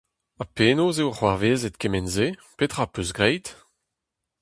Ha penaos eo c'hoarvezet kement-se, petra a' teus graet ?